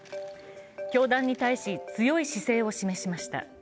教団に対し強い姿勢を示しました。